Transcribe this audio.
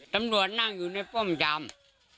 ตำรวจนั่งอยู่ในป้อมยำ